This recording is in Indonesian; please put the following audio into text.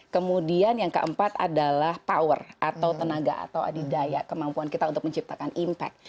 kemudian yang keempat adalah power atau tenaga atau adidaya kemampuan kita untuk menciptakan impact